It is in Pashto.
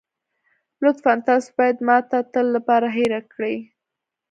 لطفاً تاسو بايد ما د تل لپاره هېره کړئ.